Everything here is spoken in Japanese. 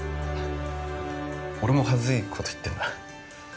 俺も恥ずいこと言ってんな